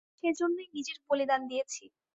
সেজন্যই নিজের বলিদান দিয়েছি।